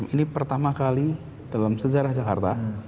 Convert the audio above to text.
ini pertama kali dalam sejarah jakarta